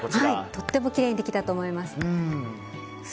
とってもきれいにできたと思います。